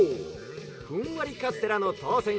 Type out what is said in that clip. ふんわりカステラのとうせん